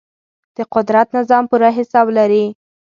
د قدرت نظام پوره حساب لري.